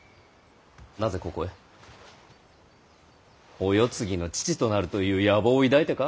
お世継ぎの父となるという野望を抱いてか？